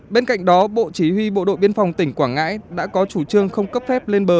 bên cạnh đó bộ chỉ huy bộ đội biên phòng tỉnh quảng ngãi đã có chủ trương không cấp phép lên bờ